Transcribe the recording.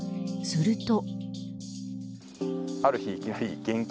すると。